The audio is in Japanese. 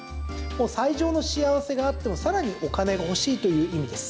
最上の幸せがあっても更にお金が欲しいという意味です。